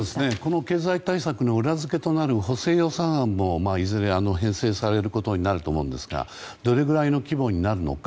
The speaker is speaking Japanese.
この経済対策の裏付けとなる補正予算案もいずれ編成されることになるんですがどれぐらいの規模になるのか